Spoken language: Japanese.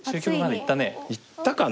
いったかな。